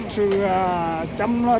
sự chăm chăm